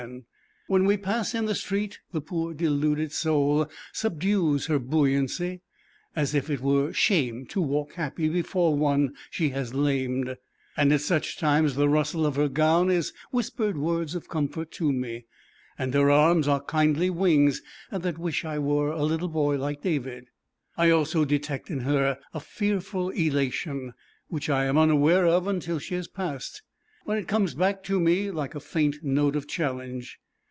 When we pass in the street the poor deluded soul subdues her buoyancy, as if it were shame to walk happy before one she has lamed, and at such times the rustle of her gown is whispered words of comfort to me, and her arms are kindly wings that wish I was a little boy like David. I also detect in her a fearful elation, which I am unaware of until she has passed, when it comes back to me like a faint note of challenge.